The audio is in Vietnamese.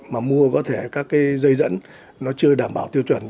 mà mua có thể các cái dây dẫn nó chưa đảm bảo tiêu chuẩn